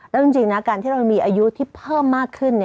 แล้วจริงนะการที่เรามีอายุที่เพิ่มมากขึ้น